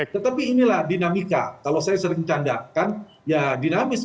tetapi inilah dinamika kalau saya sering candakan ya dinamis